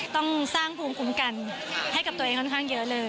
ต้องสร้างภูมิคุ้มกันให้กับตัวเองค่อนข้างเยอะเลย